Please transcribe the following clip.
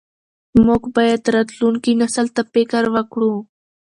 موږ باید راتلونکي نسل ته فکر وکړو.